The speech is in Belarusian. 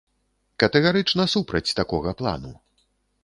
Катэгарычна супраць такога плану.